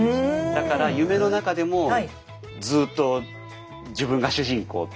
だから夢の中でもずっと自分が主人公っていうか。